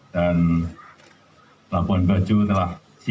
dan labuan bajo telah selesai